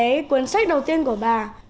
cái cuốn sách đầu tiên của bà